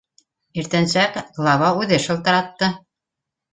Иртәнсәк глава үҙе шылтыратты.